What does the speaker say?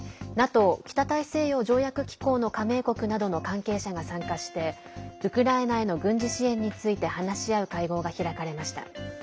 ＮＡＴＯ＝北大西洋条約機構の加盟国などの関係者が参加してウクライナへの軍事支援について話し合う会合が開かれました。